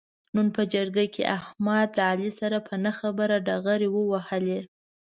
نن په جرګه کې احمد له علي سره په نه خبره ډغرې و وهلې.